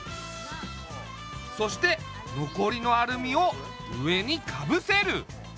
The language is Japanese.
そしてのこりのアルミを上にかぶせる。